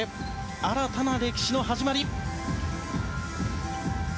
新たな歴史の始まり。